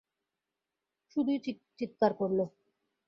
শুধুই চিৎকার করলো!